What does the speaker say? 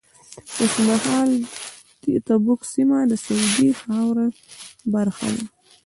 اوس مهال تبوک سیمه د سعودي خاورې برخه ده.